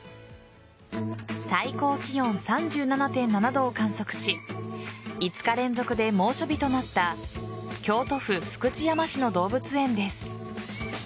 最高気温３７．７度を観測し５日連続で猛暑日となった京都府福知山市の動物園です。